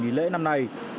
nghỉ lễ năm nay